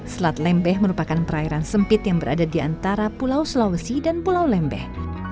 selat lembeh merupakan perairan sempit yang berada di antara pulau sulawesi dan pulau lembeh